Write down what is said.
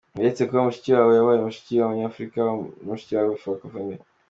Uretse kuba Mushikiwabo yabaye Mushiki w’Abanyafurika na Mushiki wa Francophonie.